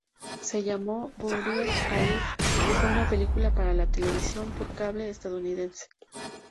Se llamó "Buried Alive" y fue una película para la televisión por cable estadounidense.